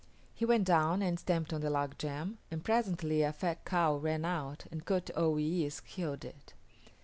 He went down and stamped on the log jam, and presently a fat cow ran out and Kut o yis´ killed it.